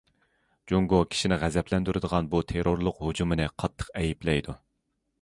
جۇڭگو كىشىنى غەزەپلەندۈرىدىغان بۇ تېررورلۇق ھۇجۇمىنى قاتتىق ئەيىبلەيدۇ.